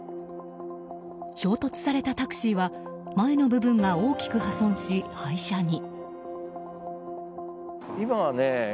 衝突されたタクシーは前の部分が大きく破損し廃車に。